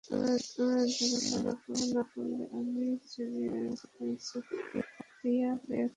তারা কাজটা না করলে আমি ছুতিয়া হয়ে থাকব।